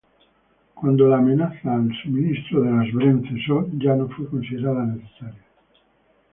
Cuando la amenaza al suministro de las Bren cesó, ya no fue considerada necesaria.